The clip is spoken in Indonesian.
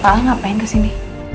pak al ngapain kesini